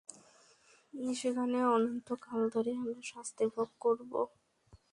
সেখানে অনন্তকাল ধরে আমরা শাস্তি ভোগ করব!